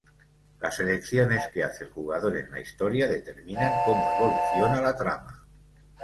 Las elecciones que hace el jugador en la historia determinan cómo evoluciona la trama.